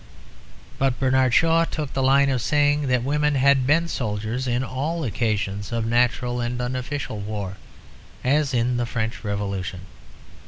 But Bernard Shaw took the line of saying that women had been soldiers, in all occasions of natural and unofficial war, as in the French Revolution.